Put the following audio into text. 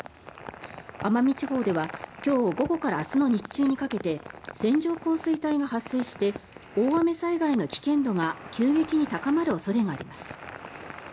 奄美地方では今日午後から明日の日中にかけて線状降水帯が発生して大雨災害の危険度が急激に高まる恐れがあります。